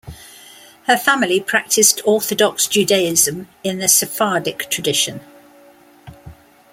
Her family practiced Orthodox Judaism in the Sephardic tradition.